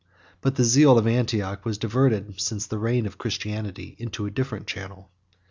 But the zeal of Antioch was diverted, since the reign of Christianity, into a different channel.